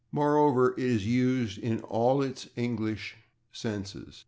Moreover, it is used in all its English senses.